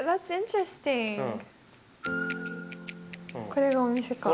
これがお店か。